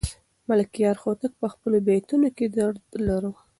ملکیار هوتک په خپلو بیتونو کې درد لاره.